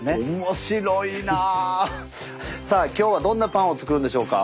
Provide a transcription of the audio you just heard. さあ今日はどんなパンをつくるんでしょうか。